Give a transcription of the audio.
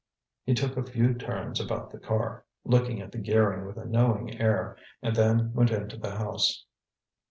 He took a few turns about the car, looked at the gearing with a knowing air, and then went into the house.